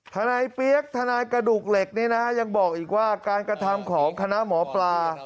ทนายเปี๊ยกทนายกระดูกเหล็กนี้นะฮะยังบอกอีกว่าการกระทำของคณะหมอปลา